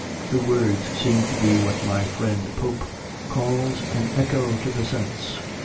The words seem to be what my friend Pope calls 'an echo to the sense.'"